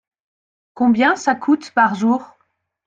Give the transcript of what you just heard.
Combien ça coûte par jour ?